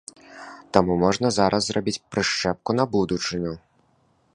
Таму можна зараз зрабіць прышчэпку на будучыню.